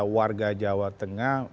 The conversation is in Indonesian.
warga jawa tengah